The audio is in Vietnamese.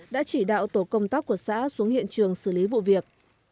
đã chỉ đạo tổ công tác của xã xuống hiện trường xử lý vụ việc